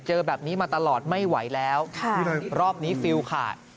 เจอแบบนี้มาตลอดไม่ไหวแล้วรอบนี้ฟิลขาด